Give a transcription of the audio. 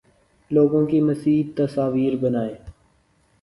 لوگوں کی مزید تصاویر بنائیں